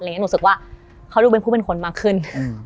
รู้สึกว่าเขาดูเป็นผู้เป็นคนมากขึ้น